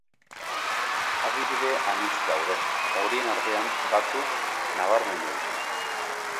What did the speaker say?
Adibide anitz daude, horien artean batzuk nabarmendu ditu.